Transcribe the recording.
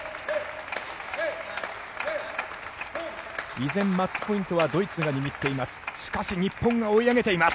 依然、マッチポイントはドイツが握っています。